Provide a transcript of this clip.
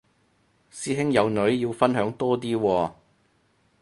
師兄有女要分享多啲喎